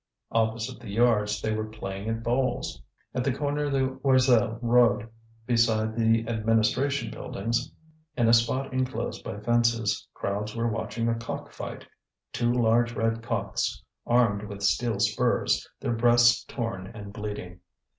Opposite the Yards they were playing at bowls. At the corner of the Joiselle road, beside the Administration buildings, in a spot enclosed by fences, crowds were watching a cock fight, two large red cocks, armed with steel spurs, their breasts torn and bleeding.